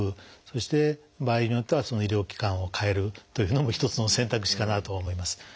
そして場合によっては医療機関を替えるというのも一つの選択肢かなとは思います。